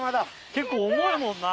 結構重いもんな。